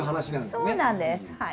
そうなんですはい。